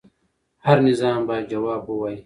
هر نظام باید ځواب ووایي